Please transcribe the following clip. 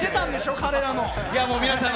彼らの。